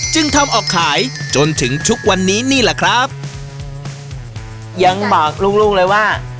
จึงทำออกขายจนถึงทุกวันนี้นี่แหละครับยังบอกลูกลูกเลยว่า